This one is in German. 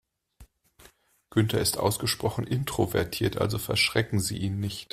Günther ist ausgesprochen introvertiert, also verschrecken Sie ihn nicht.